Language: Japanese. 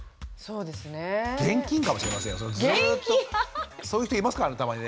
現金⁉そういう人いますからねたまにね。